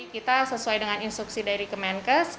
kita sesuai dengan instruksi dari kementerian kesehatan